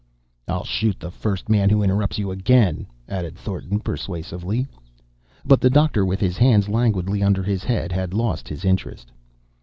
"I'll shoot the first man who interrupts you again," added Thornton; persuasively. But the Doctor, with his hands languidly under his head, had lost his interest.